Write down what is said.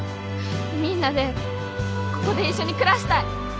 みんなでここで一緒に暮らしたい！